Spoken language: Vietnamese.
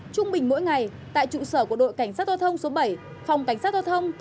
trung bình mỗi ngày tại trụ sở của đội cảnh sát giao thông số bảy